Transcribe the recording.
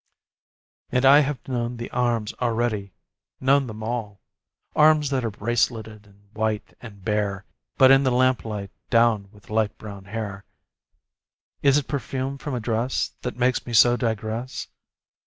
And I have known the arms already, known them all Arms that are braceleted and white and bare (But in the lamplight, downed with light brown hair!) Is it perfume from a dress That makes me so digress?